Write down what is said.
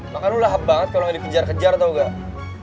maka lu lahap banget kalo gak dikejar kejar tau gak